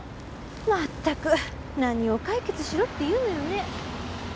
まったく何を解決しろって言うのよね。